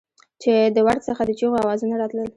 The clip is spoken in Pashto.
چې د ورد څخه د چېغو اوزونه راتلل.